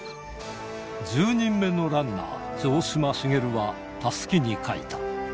１０人目のランナー、城島茂は、たすきに書いた。